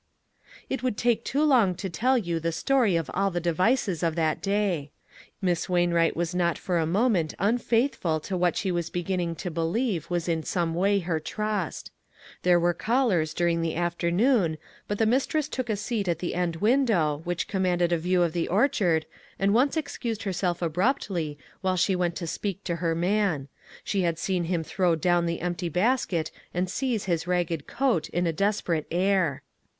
It would take too long to tell you the story of all devices of that day. Miss Wainwright was not for a moment unfaith ful to what she was beginning to believe was in some way her trust. There were callers during the afternoon, but the mis tress took a seat at the end window, which commanded a view of the orchard, and once excused herself abruptly while she went to speak to her man. She had seen him throw down the empty basket and seize his ragged coat in a desperate air.